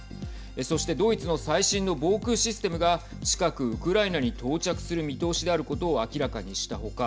そしてドイツの最新の防空システムが近く、ウクライナに到着する見通しであることを明らかにした他